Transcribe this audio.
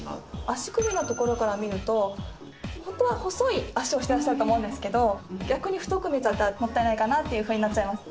足首のところから見るとホントは細い脚をしてらっしゃると思うんですけど逆に太く見えちゃってもったいないかなっていうふうになっちゃいます。